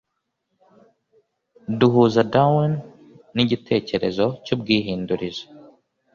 duhuza darwin nigitekerezo cyubwihindurize